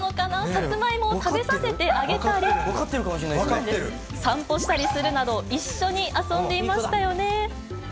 さつまいもを食べさせてあげたり、散歩したりするなど、一緒に遊んでいましたよね。